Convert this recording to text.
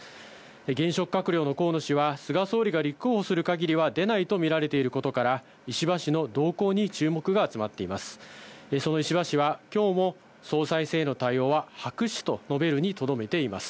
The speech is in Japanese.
現職閣僚の河野氏は、菅総理が立候補するかぎりは出ないと見られていることから、石破氏の動向に注目が集まっています。